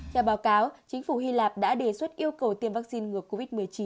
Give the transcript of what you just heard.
theo báo cáo chính phủ hy lạp đã đề xuất yêu cầu tiêm vaccine ngừa covid một mươi chín